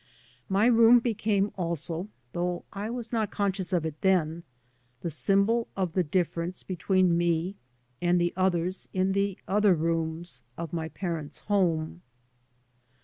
My room became also (though I was not con sdous of it then) the symbol of the difference between me and the others in the other rooms of my parents' home.